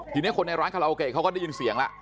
ทีนี้คนในร้านคาราโอเกะเขาก็ได้ยินเสียงแล้ว